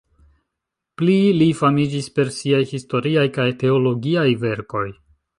Pli li famiĝis per siaj historiaj kaj teologiaj verkoj.